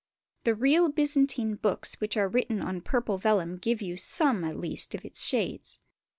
The real Byzantine books which are written on purple vellum give you some, at least, of its shades.